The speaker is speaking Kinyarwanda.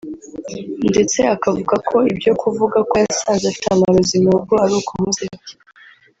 ndetse akavuga ko ibyo kuvuga ko yasanze afite amarozi mu rugo ari ukumusebya